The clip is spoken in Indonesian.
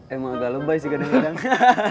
emang agak lebay sih kadang kadang